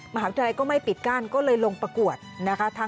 มหาวิทยาลัยก็ไม่ปิดกั้นก็เลยลงประกวดนะคะ